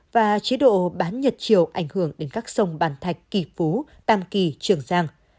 và chế độ bán nhật chiều ảnh hưởng đến các sông bàn thạch kỳ phú tam kỳ trường giang